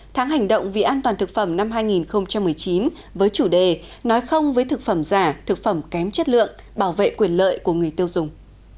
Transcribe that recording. tháng hành động vì an toàn thực phẩm năm hai nghìn một mươi chín với chủ đề nói không với thực phẩm giả thực phẩm kém chất lượng bảo vệ quyền lợi của người tiêu dùng